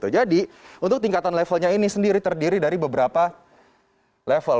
jadi untuk tingkatan levelnya ini sendiri terdiri dari beberapa level